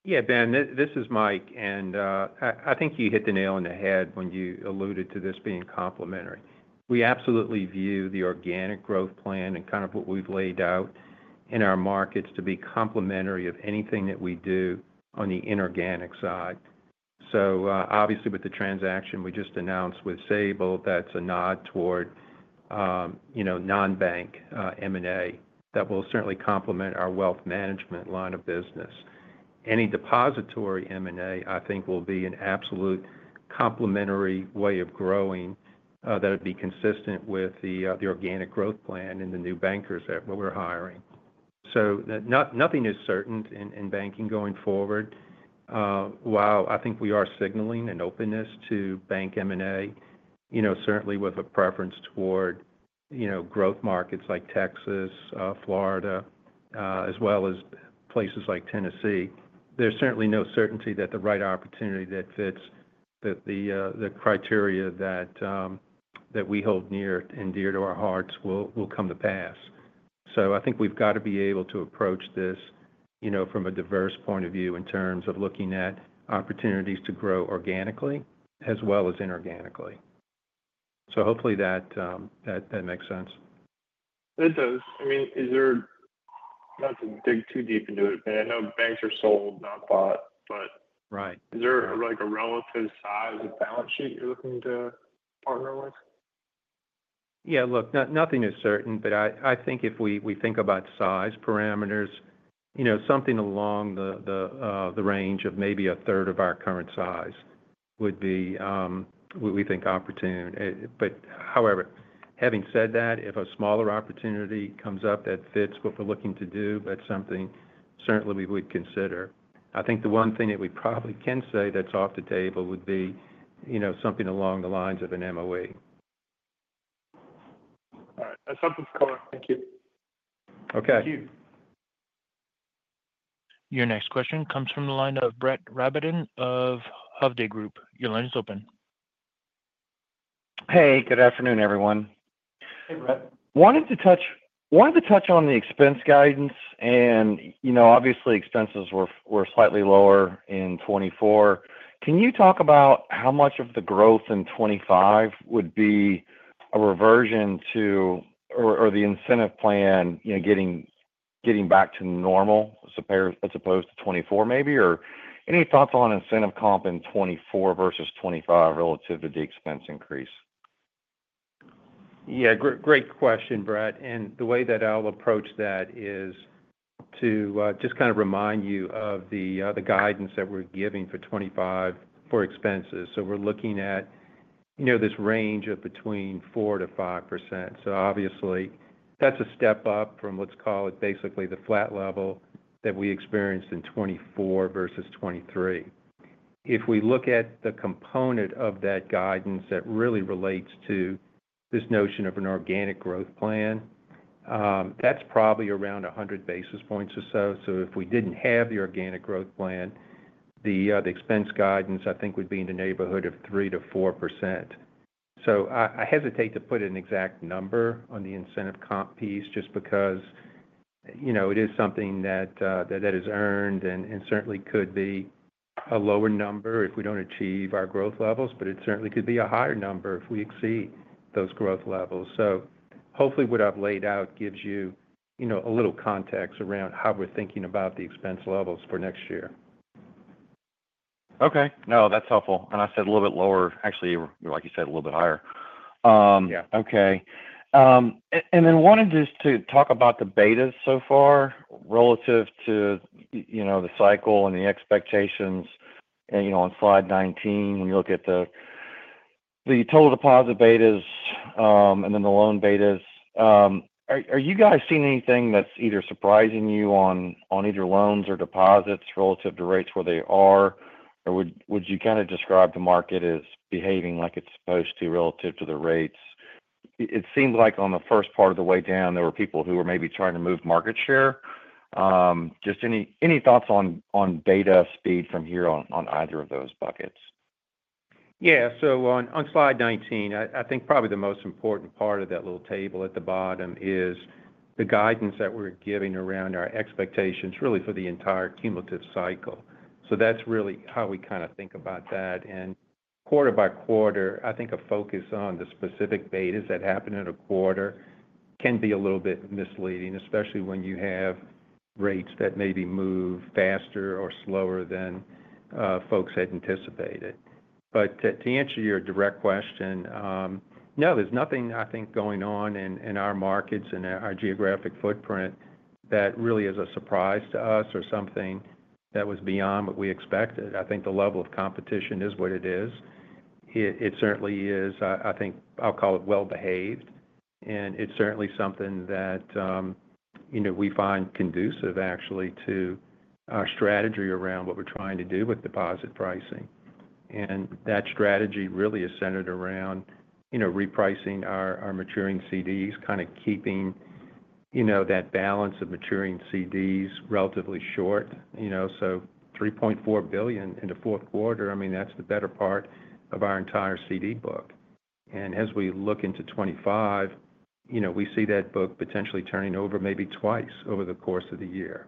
Speaker 4: Yeah, Ben, this is Mike. And I think you hit the nail on the head when you alluded to this being complementary. We absolutely view the organic growth plan and kind of what we've laid out in our markets to be complementary of anything that we do on the inorganic side. So obviously, with the transaction we just announced with Sabal, that's a nod toward non-bank M&A that will certainly complement our wealth management line of business. Any depository M&A, I think, will be an absolute complementary way of growing that would be consistent with the organic growth plan and the new bankers that we're hiring. So nothing is certain in banking going forward. While I think we are signaling an openness to bank M&A, certainly with a preference toward growth markets like Texas, Florida, as well as places like Tennessee, there's certainly no certainty that the right opportunity that fits the criteria that we hold near and dear to our hearts will come to pass. So I think we've got to be able to approach this from a diverse point of view in terms of looking at opportunities to grow organically as well as inorganically. So hopefully that makes sense.
Speaker 9: It does. I mean, not to dig too deep into it, but I know banks are sold, not bought. But is there a relative size of balance sheet you're looking to partner with?
Speaker 4: Yeah. Look, nothing is certain. But I think if we think about size parameters, something along the range of maybe a third of our current size would be what we think opportune. But however, having said that, if a smaller opportunity comes up that fits what we're looking to do, that's something certainly we would consider. I think the one thing that we probably can say that's off the table would be something along the lines of an MOE.
Speaker 9: All right. That's helpful. Thank you.
Speaker 4: Okay.
Speaker 9: Thank you.
Speaker 1: Your next question comes from the line of Brett Rabatin of Hovde Group. Your line is open.
Speaker 10: Hey, good afternoon, everyone.
Speaker 3: Hey, Brett.
Speaker 10: Wanted to touch on the expense guidance. And obviously, expenses were slightly lower in 2024. Can you talk about how much of the growth in 2025 would be a reversion to or the incentive plan getting back to normal as opposed to 2024 maybe? Or any thoughts on incentive comp in 2024 versus 2025 relative to the expense increase?
Speaker 4: Yeah. Great question, Brett. And the way that I'll approach that is to just kind of remind you of the guidance that we're giving for 2025 for expenses. So we're looking at this range of between 4% to 5%. So obviously, that's a step up from let's call it basically the flat level that we experienced in 2024 versus 2023. If we look at the component of that guidance that really relates to this notion of an organic growth plan, that's probably around 100 basis points or so. So if we didn't have the organic growth plan, the expense guidance, I think, would be in the neighborhood of 3%-4%. So I hesitate to put an exact number on the incentive comp piece just because it is something that is earned and certainly could be a lower number if we don't achieve our growth levels. But it certainly could be a higher number if we exceed those growth levels. So hopefully, what I've laid out gives you a little context around how we're thinking about the expense levels for next year. Okay. No, that's helpful. And I said a little bit lower. Actually, like you said, a little bit higher. Yeah. Okay. And then wanted just to talk about the betas so far relative to the cycle and the expectations on slide 19 when you look at the total deposit betas and then the loan betas.
Speaker 10: Are you guys seeing anything that's either surprising you on either loans or deposits relative to rates where they are? Or would you kind of describe the market as behaving like it's supposed to relative to the rates? It seemed like on the first part of the way down, there were people who were maybe trying to move market share. Just any thoughts on beta speed from here on either of those buckets?
Speaker 4: Yeah, so on slide 19, I think probably the most important part of that little table at the bottom is the guidance that we're giving around our expectations really for the entire cumulative cycle, so that's really how we kind of think about that. And quarter by quarter, I think a focus on the specific betas that happen in a quarter can be a little bit misleading, especially when you have rates that maybe move faster or slower than folks had anticipated. But to answer your direct question, no, there's nothing, I think, going on in our markets and our geographic footprint that really is a surprise to us or something that was beyond what we expected. I think the level of competition is what it is. It certainly is, I think I'll call it well-behaved. And it's certainly something that we find conducive, actually, to our strategy around what we're trying to do with deposit pricing. And that strategy really is centered around repricing our maturing CDs, kind of keeping that balance of maturing CDs relatively short. So $3.4 billion in the fourth quarter, I mean, that's the better part of our entire CD book. And as we look into 2025, we see that book potentially turning over maybe twice over the course of the year.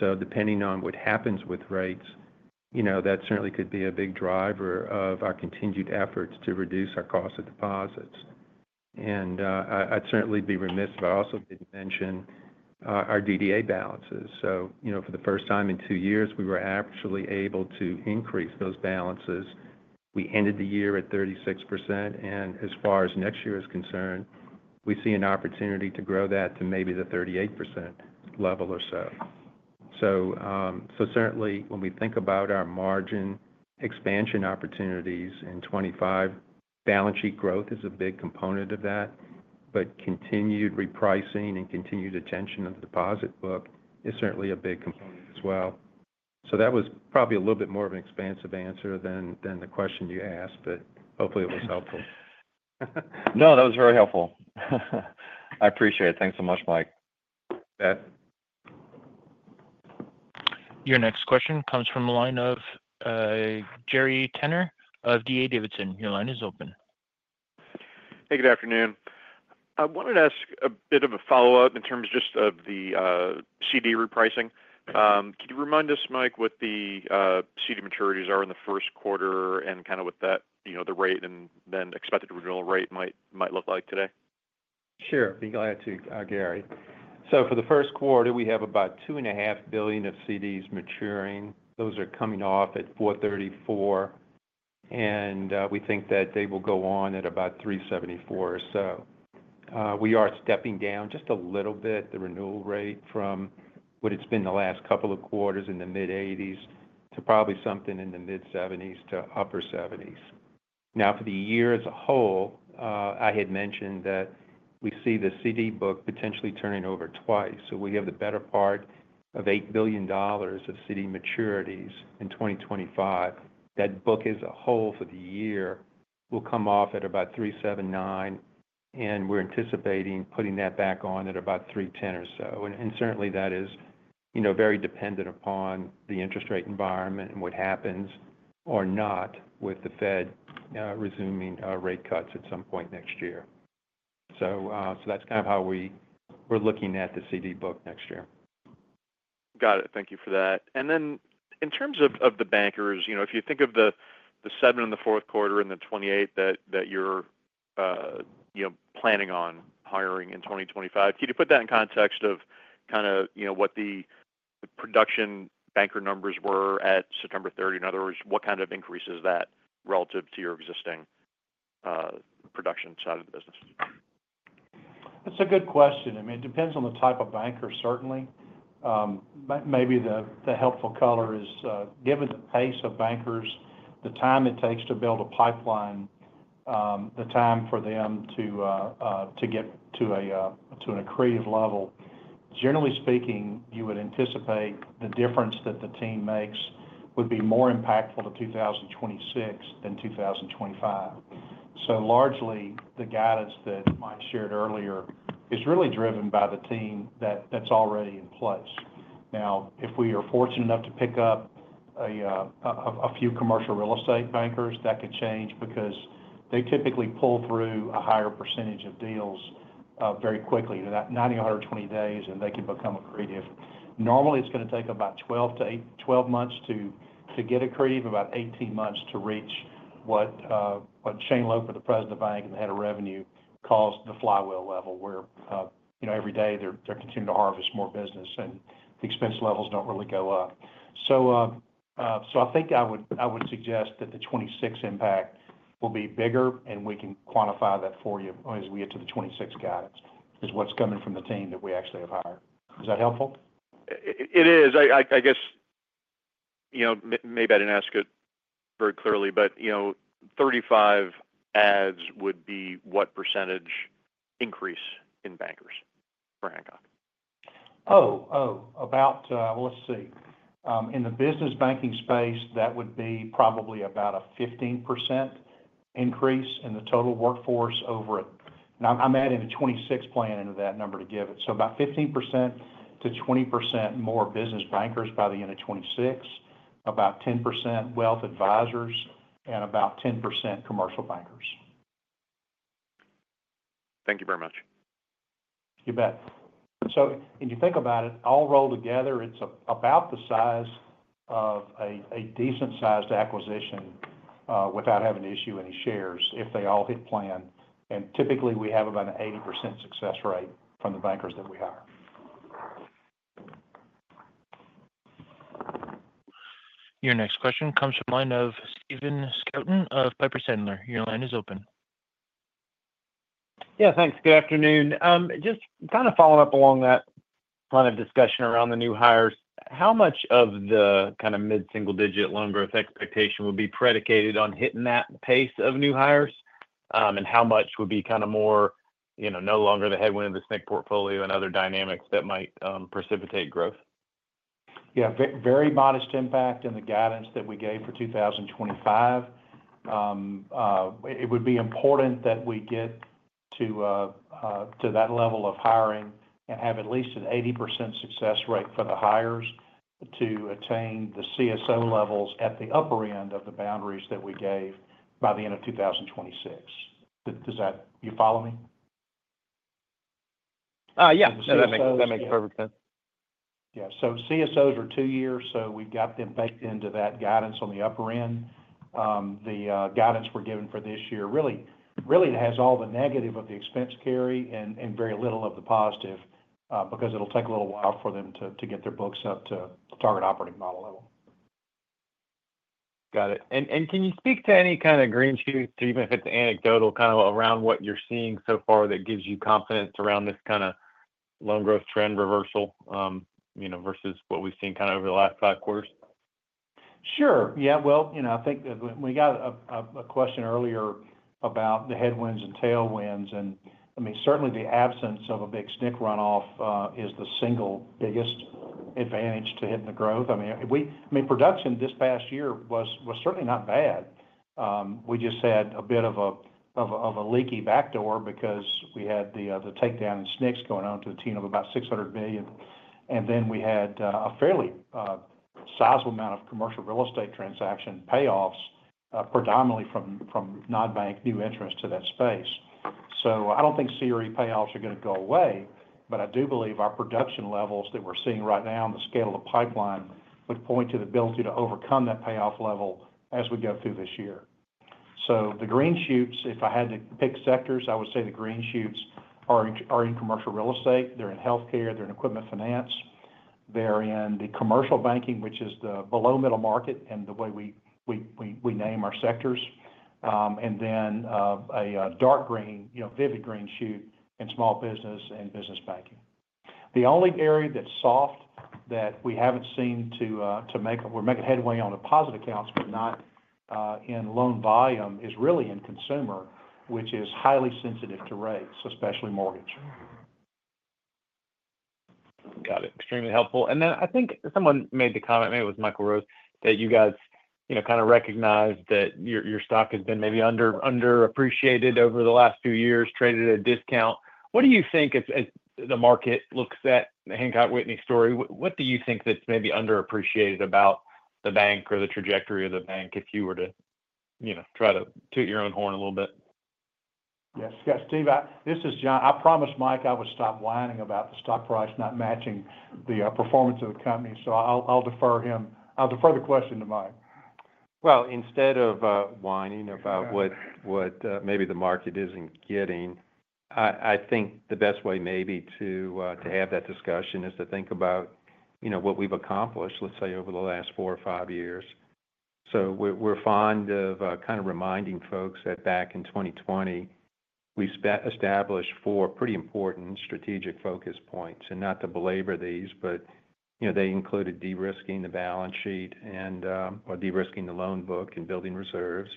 Speaker 4: So depending on what happens with rates, that certainly could be a big driver of our continued efforts to reduce our cost of deposits. And I'd certainly be remiss if I also didn't mention our DDA balances. So for the first time in two years, we were actually able to increase those balances. We ended the year at 36%. And as far as next year is concerned, we see an opportunity to grow that to maybe the 38% level or so. So certainly, when we think about our margin expansion opportunities in 2025, balance sheet growth is a big component of that. But continued repricing and continued attention of the deposit book is certainly a big component as well. So that was probably a little bit more of an expansive answer than the question you asked, but hopefully it was helpful.
Speaker 10: No, that was very helpful. I appreciate it. Thanks so much, Mike.
Speaker 4: Brett.
Speaker 1: Your next question comes from the line of Gary Tenner of D.A. Davidson. Your line is open.
Speaker 11: Hey, good afternoon. I wanted to ask a bit of a follow-up in terms of just the CD repricing. Can you remind us, Mike, what the CD maturities are in the first quarter and kind of what the rate and then expected original rate might look like today?
Speaker 4: Sure. Be glad to, Gary. So for the first quarter, we have about $2.5 billion of CDs maturing. Those are coming off at 4.34%. And we think that they will go on at about 3.74%. or so. We are stepping down just a little bit the renewal rate from what it's been the last couple of quarters in the mid-80s to probably something in the mid-70s to upper 70s. Now, for the year as a whole, I had mentioned that we see the CD book potentially turning over twice. So we have the better part of $8 billion of CD maturities in 2025. That book as a whole for the year will come off at about 3.79%. And we're anticipating putting that back on at about 3.10% or so. Certainly, that is very dependent upon the interest rate environment and what happens or not with the Fed resuming rate cuts at some point next year. That's kind of how we're looking at the CD book next year.
Speaker 11: Got it. Thank you for that. And then in terms of the bankers, if you think of the second and the fourth quarter and the 28 that you're planning on hiring in 2025, can you put that in context of kind of what the production banker numbers were at September 30? In other words, what kind of increase is that relative to your existing production side of the business?
Speaker 3: That's a good question. I mean, it depends on the type of banker, certainly. Maybe the helpful color is given the pace of bankers, the time it takes to build a pipeline, the time for them to get to an accretive level. Generally speaking, you would anticipate the difference that the team makes would be more impactful to 2026 than 2025. So largely, the guidance that Mike shared earlier is really driven by the team that's already in place. Now, if we are fortunate enough to pick up a few commercial real estate bankers, that could change because they typically pull through a higher percentage of deals very quickly in that 90 days-120 days, and they can become accretive. Normally, it's going to take about 12 months to get accretive, about 18 months to reach what Shane Loper, the President of the Bank and the Head of Revenue, calls the flywheel level where every day they're continuing to harvest more business, and the expense levels don't really go up. So I think I would suggest that the 2026 impact will be bigger, and we can quantify that for you as we get to the 2026 guidance is what's coming from the team that we actually have hired. Is that helpful?
Speaker 11: It is. I guess maybe I didn't ask it very clearly, but 35 adds would be what percentage increase in bankers for Hancock?
Speaker 3: In the business banking space, that would be probably about a 15% increase in the total workforce over the next, now I'm adding a 2026 plan into that number to give it. So about 15%-20% more business bankers by the end of 2026, about 10% wealth advisors, and about 10% commercial bankers.
Speaker 11: Thank you very much.
Speaker 3: You bet. So if you think about it, all rolled together, it's about the size of a decent-sized acquisition without having to issue any shares if they all hit plan. And typically, we have about an 80% success rate from the bankers that we hire.
Speaker 1: Your next question comes from line of Stephen Scouten of Piper Sandler. Your line is open.
Speaker 12: Yeah. Thanks. Good afternoon. Just kind of following up along that line of discussion around the new hires, how much of the kind of mid-single-digit loan growth expectation will be predicated on hitting that pace of new hires? And how much would be kind of more no longer the headwind of the Shared National Credits and other dynamics that might precipitate growth?
Speaker 3: Yeah. Very modest impact in the guidance that we gave for 2025. It would be important that we get to that level of hiring and have at least an 80% success rate for the hires to attain the CSO levels at the upper end of the boundaries that we gave by the end of 2026. Do you follow me?
Speaker 12: Yeah. That makes perfect sense.
Speaker 3: Yeah, so CSOs are two years, so we've got them baked into that guidance on the upper end. The guidance we're giving for this year really has all the negative of the expense carry and very little of the positive because it'll take a little while for them to get their books up to target operating model level.
Speaker 12: Got it. And can you speak to any kind of green shoots, even if it's anecdotal, kind of around what you're seeing so far that gives you confidence around this kind of loan growth trend reversal versus what we've seen kind of over the last five quarters?
Speaker 3: Sure. Yeah. Well, I think we got a question earlier about the headwinds and tailwinds. I mean, certainly, the absence of a big SNC runoff is the single biggest advantage to hitting the growth. I mean, production this past year was certainly not bad. We just had a bit of a leaky backdoor because we had the takedown in SNCs going on to the tune of about $600 million. Then we had a fairly sizable amount of commercial real estate transaction payoffs predominantly from non-bank new entrants to that space. So I don't think CRE payoffs are going to go away, but I do believe our production levels that we're seeing right now on the scale of the pipeline would point to the ability to overcome that payoff level as we go through this year. So the green shoots, if I had to pick sectors, I would say the green shoots are in commercial real estate. They're in healthcare. They're in equipment finance. They're in the commercial banking, which is the below-middle market and the way we name our sectors. And then a dark green, vivid green shoot in small business and business banking. The only area that's soft that we haven't seemed to make a headway on in positive accounts, but not in loan volume, is really in consumer, which is highly sensitive to rates, especially mortgage.
Speaker 12: Got it. Extremely helpful. And then I think someone made the comment, maybe it was Michael Rose, that you guys kind of recognized that your stock has been maybe underappreciated over the last few years, traded at a discount. What do you think as the market looks at the Hancock Whitney story, what do you think that's maybe underappreciated about the bank or the trajectory of the bank if you were to try to toot your own horn a little bit?
Speaker 3: Yes. Yeah. Stephen, this is John. I promised Mike I would stop whining about the stock price not matching the performance of the company. So I'll defer the question to Mike.
Speaker 4: Instead of whining about what maybe the market isn't getting, I think the best way maybe to have that discussion is to think about what we've accomplished, let's say, over the last four or five years. So we're fond of kind of reminding folks that back in 2020, we established four pretty important strategic focus points. And not to belabor these, but they included de-risking the balance sheet or de-risking the loan book and building reserves,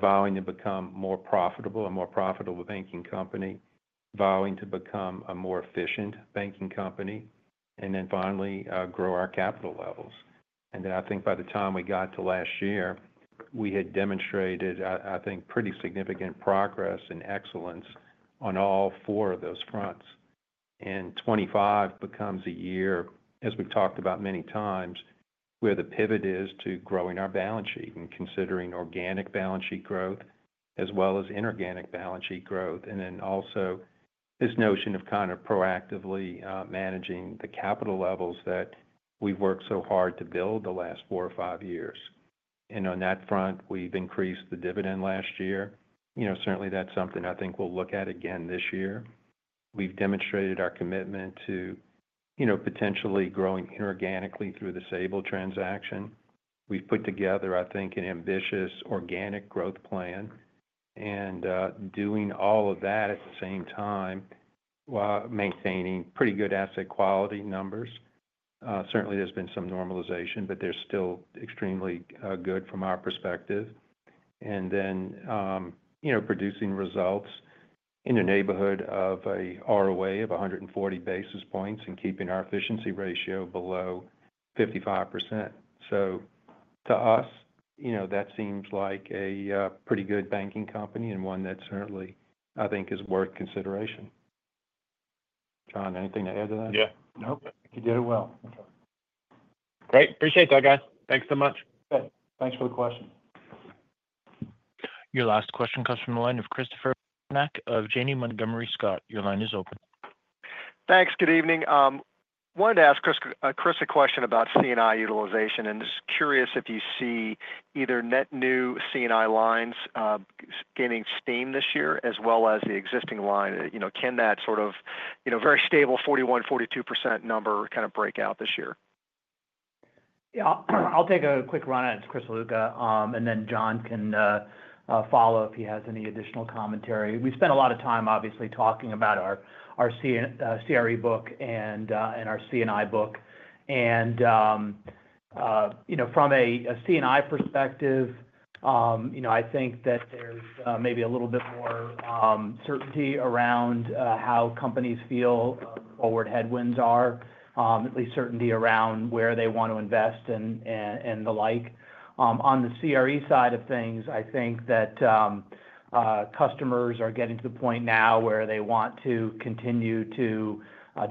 Speaker 4: vowing to become more profitable, a more profitable banking company, vowing to become a more efficient banking company, and then finally grow our capital levels. And then I think by the time we got to last year, we had demonstrated, I think, pretty significant progress and excellence on all four of those fronts. And 2025 becomes a year, as we've talked about many times, where the pivot is to growing our balance sheet and considering organic balance sheet growth as well as inorganic balance sheet growth. And then also this notion of kind of proactively managing the capital levels that we've worked so hard to build the last four or five years. And on that front, we've increased the dividend last year. Certainly, that's something I think we'll look at again this year. We've demonstrated our commitment to potentially growing inorganically through the Sabal transaction. We've put together, I think, an ambitious organic growth plan. And doing all of that at the same time while maintaining pretty good asset quality numbers. Certainly, there's been some normalization, but they're still extremely good from our perspective. And then producing results in the neighborhood of a ROA of 140 basis points and keeping our efficiency ratio below 55%. So to us, that seems like a pretty good banking company and one that certainly, I think, is worth consideration. John, anything to add to that?
Speaker 3: Yeah. Nope. He did it well.
Speaker 12: Great. Appreciate that, guys. Thanks so much.
Speaker 3: Thanks for the question.
Speaker 1: Your last question comes from the line of Christopher Marinac of Janney Montgomery Scott. Your line is open.
Speaker 13: Thanks. Good evening. Wanted to ask Chris a question about C&I utilization and just curious if you see either net new C&I lines gaining steam this year as well as the existing line. Can that sort of very stable 41%-42% number kind of break out this year?
Speaker 8: Yeah. I'll take a quick run at it, Chris Ziluca, and then John can follow if he has any additional commentary. We spent a lot of time, obviously, talking about our CRE book and our C&I book. And from a C&I perspective, I think that there's maybe a little bit more certainty around how companies feel forward headwinds are, at least certainty around where they want to invest and the like. On the CRE side of things, I think that customers are getting to the point now where they want to continue to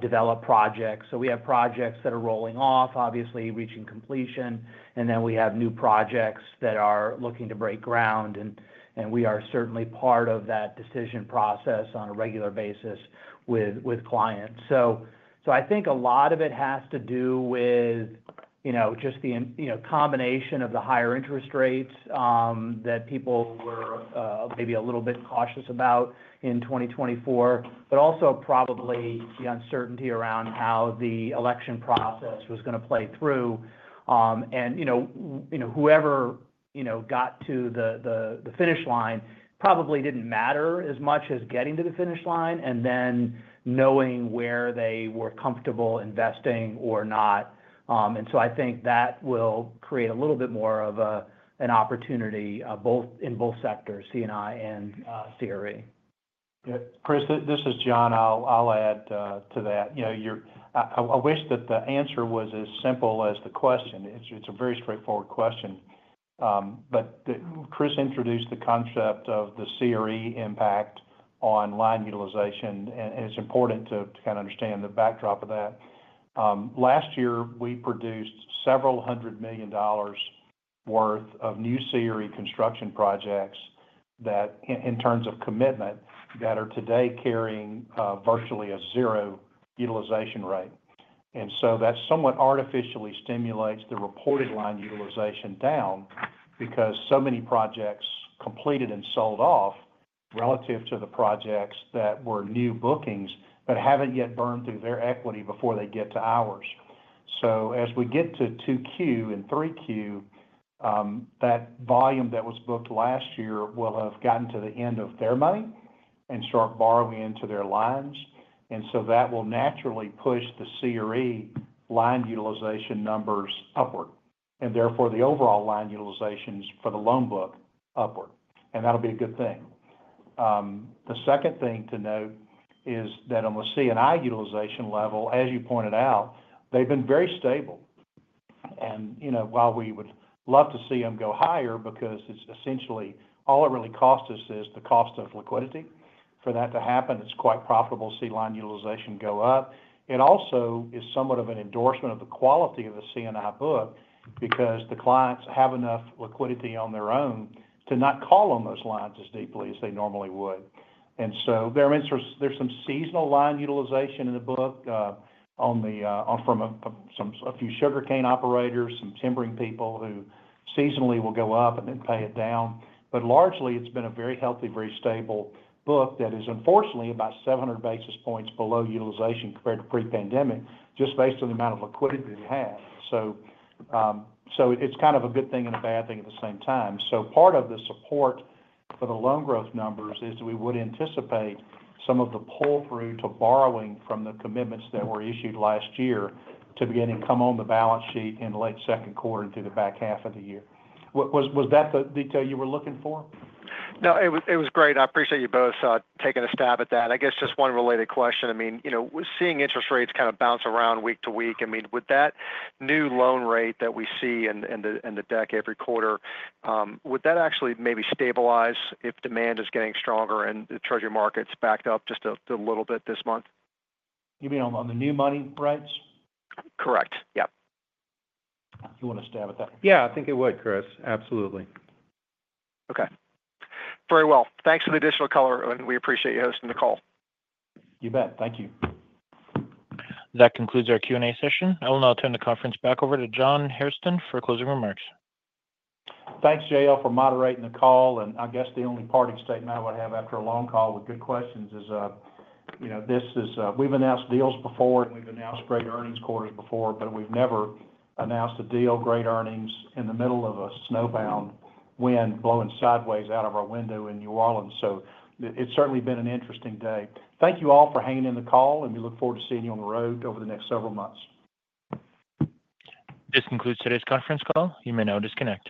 Speaker 8: develop projects. So we have projects that are rolling off, obviously, reaching completion. And then we have new projects that are looking to break ground. And we are certainly part of that decision process on a regular basis with clients. I think a lot of it has to do with just the combination of the higher interest rates that people were maybe a little bit cautious about in 2024, but also probably the uncertainty around how the election process was going to play through. Whoever got to the finish line probably didn't matter as much as getting to the finish line and then knowing where they were comfortable investing or not. So I think that will create a little bit more of an opportunity in both sectors, C&I and CRE.
Speaker 3: Yeah. Chris, this is John. I'll add to that. I wish that the answer was as simple as the question. It's a very straightforward question. But Chris introduced the concept of the CRE impact on line utilization, and it's important to kind of understand the backdrop of that. Last year, we produced $several hundred million worth of new CRE construction projects in terms of commitment that are today carrying virtually a zero utilization rate, and so that somewhat artificially stimulates the reported line utilization down because so many projects completed and sold off relative to the projects that were new bookings that haven't yet burned through their equity before they get to ours, so as we get to 2Q and 3Q, that volume that was booked last year will have gotten to the end of their money and start borrowing into their lines, and so that will naturally push the CRE line utilization numbers upward, and therefore, the overall line utilizations for the loan book upward, and that'll be a good thing. The second thing to note is that on the C&I utilization level, as you pointed out, they've been very stable. While we would love to see them go higher because it's essentially all it really costs us is the cost of liquidity. For that to happen, it's quite profitable to see line utilization go up. It also is somewhat of an endorsement of the quality of the C&I book because the clients have enough liquidity on their own to not call on those lines as deeply as they normally would. So there's some seasonal line utilization in the book from a few sugarcane operators, some timbering people who seasonally will go up and then pay it down. Largely, it's been a very healthy, very stable book that is unfortunately about 700 basis points below utilization compared to pre-pandemic just based on the amount of liquidity that we have. It's kind of a good thing and a bad thing at the same time. Part of the support for the loan growth numbers is that we would anticipate some of the pull-through to borrowing from the commitments that were issued last year to beginning to come on the balance sheet in late second quarter and through the back half of the year. Was that the detail you were looking for?
Speaker 13: No, it was great. I appreciate you both taking a stab at that. I guess just one related question. I mean, seeing interest rates kind of bounce around week to week, I mean, with that new loan rate that we see in the deck every quarter, would that actually maybe stabilize if demand is getting stronger and the Treasury markets backed up just a little bit this month?
Speaker 3: You mean on the new money rates?
Speaker 13: Correct. Yeah.
Speaker 3: You want to stab at that?
Speaker 4: Yeah, I think it would, Chris. Absolutely.
Speaker 13: Okay. Very well. Thanks for the additional color, and we appreciate you hosting the call.
Speaker 3: You bet. Thank you.
Speaker 1: That concludes our Q&A session. I will now turn the conference back over to John Hairston for closing remarks.
Speaker 3: Thanks, JL, for moderating the call. And I guess the only parting statement I would have after a long call with good questions is this is we've announced deals before, and we've announced great earnings quarters before, but we've never announced a deal, great earnings in the middle of a snowbound wind blowing sideways out of our window in New Orleans. So it's certainly been an interesting day. Thank you all for hanging in the call, and we look forward to seeing you on the road over the next several months.
Speaker 1: This concludes today's conference call. You may now disconnect.